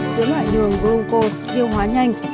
chứa loại đường glucose tiêu hóa nhanh